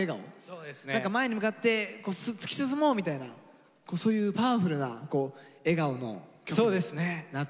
何か前に向かって突き進もうみたいなそういうパワフルな笑顔の曲となっております。